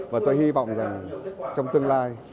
và tôi hy vọng rằng trong tương lai